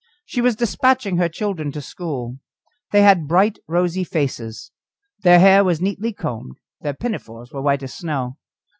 She was despatching her children to school. They had bright, rosy faces, their hair was neatly combed, their pinafores were white as snow.